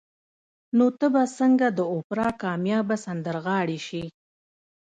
نو ته به څنګه د اوپرا کاميابه سندرغاړې شې